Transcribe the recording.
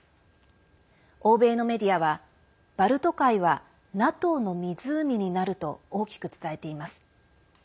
欧米のメディアはバルト海はＮＡＴＯの湖になると大きく伝えています。